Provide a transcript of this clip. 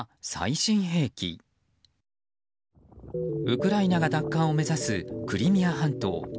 ウクライナが奪還を目指すクリミア半島。